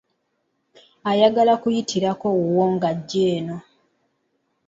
Ayagala kuyitirako wuwo ng'ajja eno.